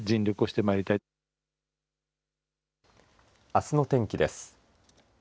あすの天気です。